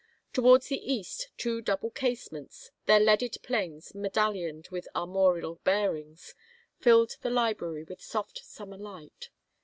Towards the east two double casements, their leaded panes medal Honed with armorial bearings, filled the library with soft summer light.